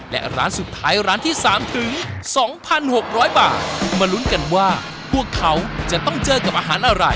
และร้านสุดท้ายร้านที่๓ถึง๒๖๐๐บาทมาลุ้นกันว่าพวกเขาจะต้องเจอกับอาหารอะไร